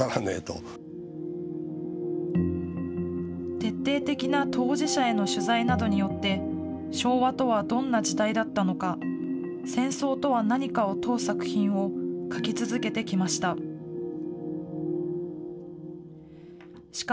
徹底的な当事者への取材などによって、昭和とはどんな時代だったのか、戦争とは何かを問う作品を書き続けてきました。